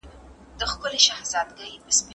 انساني روح هیڅکله له خپل حالت نه راضي کیږي.